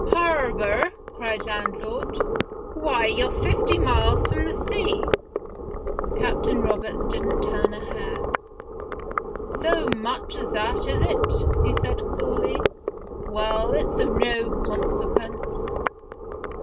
" Harbour !" cried landlord ;" why, you're fifty miles from the sea." THE GHOST SHIP 7 Captain Roberts didn't turn a hair. " So much as that, is it ?" he said coolly. " Well, it's of no consequence."